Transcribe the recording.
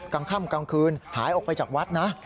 กลางค่ำกลางคืนหายออกไปจากวัดนะ